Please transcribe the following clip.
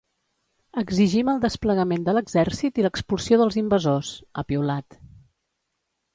“Exigim el desplegament de l’exèrcit i l’expulsió dels invasors”, ha piulat.